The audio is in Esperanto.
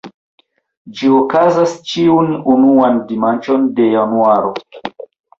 Ĝi okazas ĉiun unuan dimanĉon de januaro.